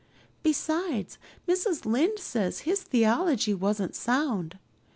Besides, Mrs. Lynde says his theology wasn't sound.